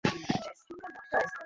ইচ্ছা ছিল শচীশকে একলা পাই।